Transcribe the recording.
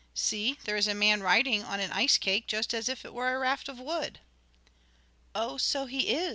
See, there is a man riding on an ice cake just as if it were a raft of wood." "Oh, so he is!"